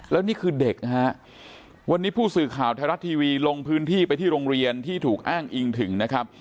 แล้วนี่คือเด็กนะฮะวันนี้ผู้สื่อข่าวไทยรัฐทีวีลงพื้นที่ไปที่โรงเรียนที่ถูกอ้างอิงถึงนะครับ